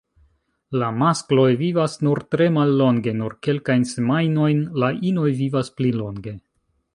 La maskloj vivas nur tre mallonge, nur kelkajn semajnojn, la inoj vivas pli longe.